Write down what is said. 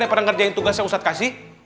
daripada ngerjain tugas yang ustadz kasih